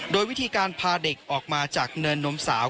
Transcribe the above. โดยวิธีการพาเด็กออกมาจากเนินนมสาว